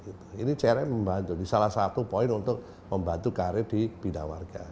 ini crm membantu di salah satu poin untuk membantu karir di bidang warga